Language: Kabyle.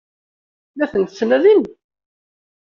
La tent-ttnadin?